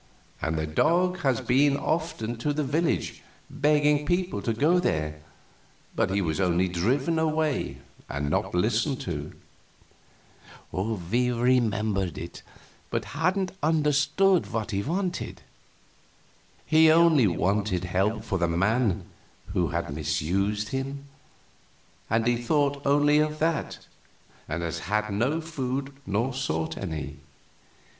"And the dog has been often to the village, begging people to go there, but he was only driven away and not listened to." We remembered it, but hadn't understood what he wanted. "He only wanted help for the man who had misused him, and he thought only of that, and has had no food nor sought any.